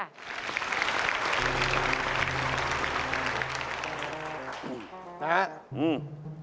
นะฮะอืม